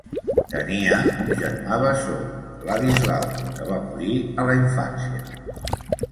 Tenia un germà bessó, Ladislau, que va morir a la infància.